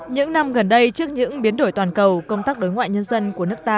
những năm gần đây trước những biến đổi toàn cầu công tác đối ngoại nhân dân của nước ta